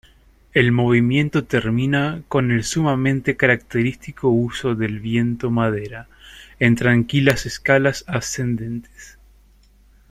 El movimiento termina con el sumamente característico uso del viento-madera en tranquilas escalas ascendentes.